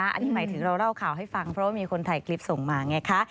อันนี้หมายถึงเราเล่าข่าวให้ฟังเพราะว่ามีคนถ่ายคลิปส่งมาไงคะ